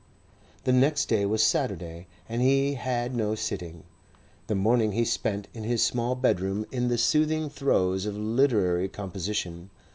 The next day was Saturday, and he had no sitting. The morning he spent in his small bedroom in the soothing throes of literary composition.